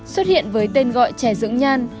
xuất hiện với tên gọi chè dưỡng nhan